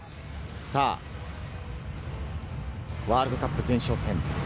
ワールドカップ前哨戦。